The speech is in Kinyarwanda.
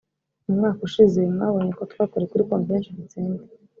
mu mwaka ushize mwabonye ko twakoreye kuri Convention Center